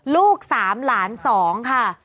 ลูกสามหลานสองค่ะ